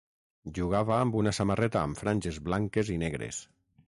Jugava amb una samarreta amb franges blanques i negres.